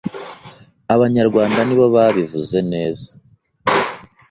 Abanyarwanda nibo babivuze neza,